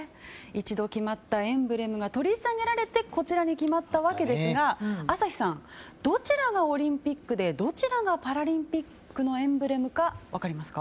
一度決まったエンブレムが取り下げられてこちらに決まったわけですが朝日さんどちらがオリンピックでどちらがパラリンピックのエンブレムか分かりますか？